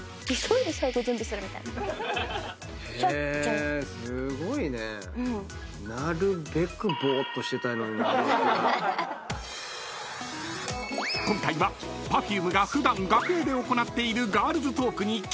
［今回はＰｅｒｆｕｍｅが普段楽屋で行っているガールズトークにキンキも参加］